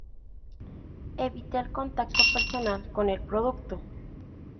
Evite el contacto personal con el producto.